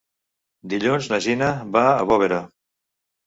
Dilluns na Gina va a Bovera.